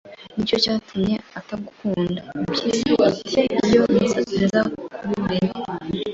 ni cyo cyatumye atagukunda Impyisi iti Iyo nza kubimenya